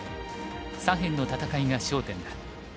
左辺の戦いが焦点だ。